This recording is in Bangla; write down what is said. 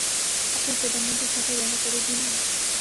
আপনি প্রধানমন্ত্রীর সাথে দেখা করিয়ে দিন না।